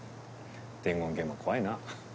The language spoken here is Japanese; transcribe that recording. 伝言ゲームは怖いな。